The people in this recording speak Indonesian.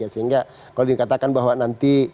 sehingga kalau dikatakan bahwa nanti